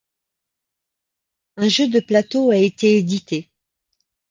Un jeu de plateau a été édité.